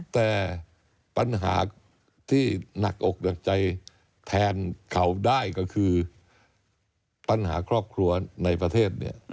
แต่ปัญหาที่หนักอกหนักใจแทนเขาได้ก็คือปัญหาครอบครัวในประเทศเนี่ย